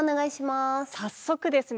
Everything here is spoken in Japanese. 早速ですね